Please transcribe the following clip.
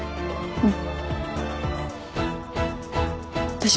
うん。